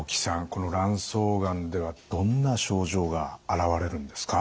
この卵巣がんではどんな症状が現れるんですか？